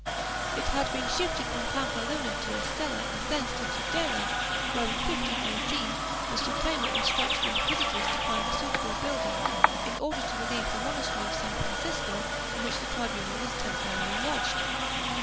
It had been shifted from Pampeluna to Estella and thence to Tudela, where, in 1518, the Suprema instructs the inquisitors to find a suitable building, in order to relieve the monastery of San Fran cisco in which the tribunal was temporarily lodged.